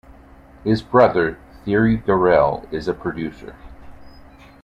His brother, Thierry Garrel, is a producer.